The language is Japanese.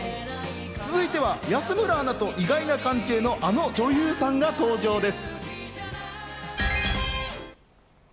続いては安村アナと意外な関係のあの女優さんが登場です。